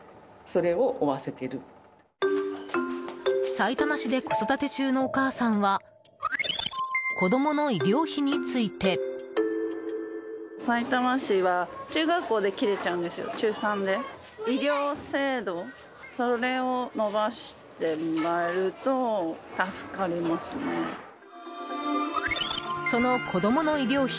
さいたま市で子育て中のお母さんは子供の医療費について。その子供の医療費。